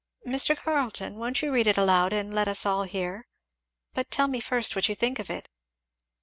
Mr. Carleton, won't you read it aloud, and let us all hear but tell me first what you think of it."